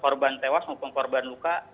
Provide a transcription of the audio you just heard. korban tewas maupun korban luka